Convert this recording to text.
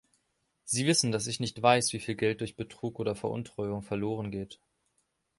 Sie wissen, dass ich nicht weiß, wieviel Geld durch Betrug oder Veruntreuung verlorengeht.